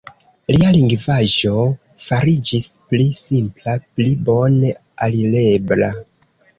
Lia lingvaĵo fariĝis pli simpla, pli bone alirebla.